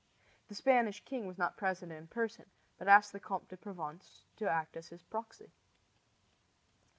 The Spanish king was not present in person, but asked the Comte de Provence to act as his proxy.